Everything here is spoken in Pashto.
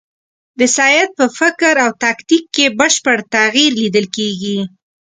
د سید په فکر او تاکتیک کې بشپړ تغییر لیدل کېږي.